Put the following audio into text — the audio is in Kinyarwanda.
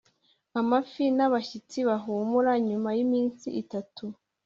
amafi n'abashyitsi bahumura nyuma y'iminsi itatu